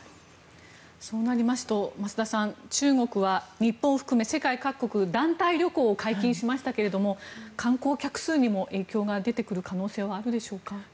そうなると増田さん中国は日本を含め世界各国団体旅行を解禁しましたが観光客数にも影響が出てくる可能性はあるでしょうか。